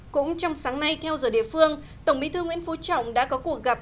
cũng trong sáng nay theo giờ địa phương tổng bí thư nguyễn phú trọng đã có cuộc gặp